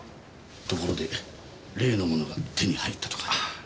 ところで例の物が手に入ったとか。